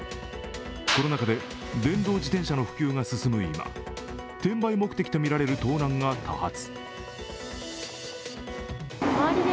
コロナ禍で電動自転車の普及が進む今、転売目的とみられる盗難が多発。